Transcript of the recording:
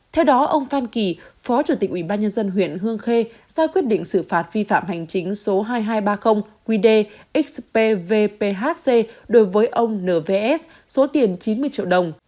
theo đó ông phan kỳ phó chủ tịch ubnd huyện hương khê ra quyết định xử phạt vi phạm hành chính số hai nghìn hai trăm ba mươi qd xpvhc đối với ông nvs số tiền chín mươi triệu đồng